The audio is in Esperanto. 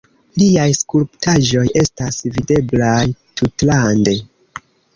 Liaj skulptaĵoj estas videblaj tutlande.